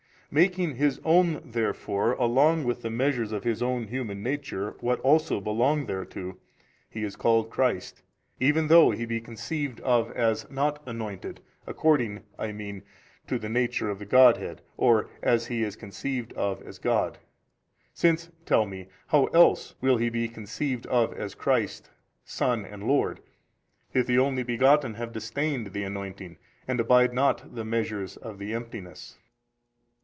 Making His own therefore along with the measures of His own human nature what also belong thereto, He is called Christ, even though He be conceived of as not anointed, according (I mean) to the Nature of the Godhead or as |255 He is conceived of as God. Since (tell me) how else will He be conceived of as Christ Son and Lord, if the Only Begotten have disdained the anointing and abide not the measures of the emptiness?